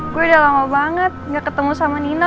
gue udah lama banget gak ketemu sama nina